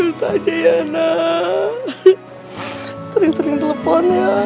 untuk saya sendiri tidak akan bertugas